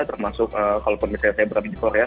termasuk kalaupun misalnya saya berada di korea